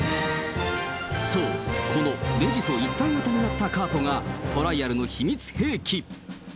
そう、このレジと一体型となったカートがトライアルの秘密兵器。